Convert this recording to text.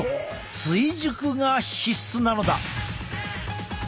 追熟が必須なのだ！